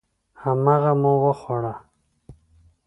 هماغه مو وخوړه.